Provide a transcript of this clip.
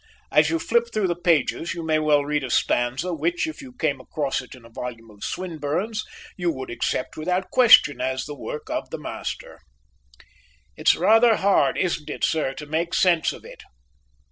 As you flip through the pages you may well read a stanza which, if you came across it in a volume of Swinburne's, you would accept without question as the work of the master. "_It's rather hard, isn't it, Sir, to make sense of it?